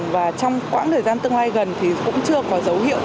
và trong quãng thời gian tương lai gần thì cũng chưa có dấu hiệu